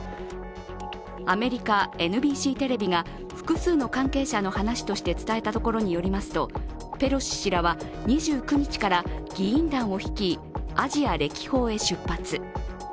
アメリカＮＢＣテレビが複数の関係者の話として伝えたところによりますとペロシ氏らは２９日から議員団を率い、アジア歴訪へ出発。